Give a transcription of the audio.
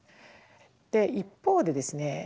一方でですね